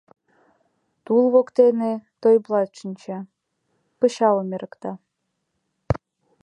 Тул воктене Тойблат шинча, пычалым эрыкта.